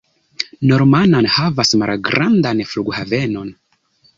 Norman havas malgrandan flughavenon.